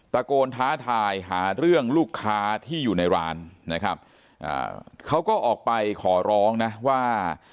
ตะโกนท้าทายหาเรื่องลูกค้าที่อยู่ในร้านนะครับเขาก็ออกไปขอร้องนะว่า